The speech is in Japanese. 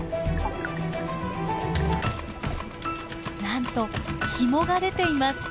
なんとヒモが出ています。